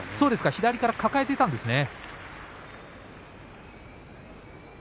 左から抱えていたんですね。